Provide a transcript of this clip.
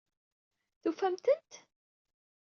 Tufamt-tent?